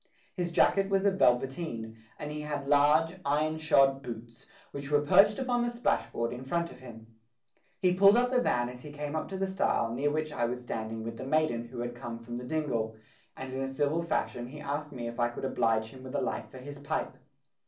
His jacket was of velveteen, and he had large, iron shod boots, which were perched upon the splashboard in front of him. He pulled up the van as he came up to the stile near which I was standing with the maiden who had come from the dingle, and in a civil fashion he asked me if I could oblige him with a light for his pipe.